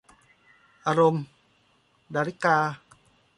อารมณ์ - ดาริกา